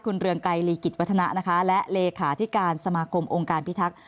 คุณเรืองไกรลีกิจวัฒนะนะคะและเลขาธิการสมาคมองค์การพิทักษ